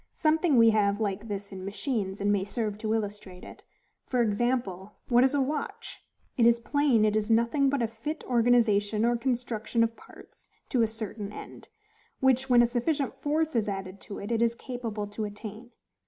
Something we have like this in machines, and may serve to illustrate it. For example, what is a watch? It is plain it is nothing but a fit organization or construction of parts to a certain end, which, when a sufficient force is added to it, it is capable to attain.